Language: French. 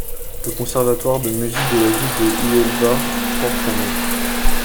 Le Conservatoire de musique de la ville de Huelva porte son nom.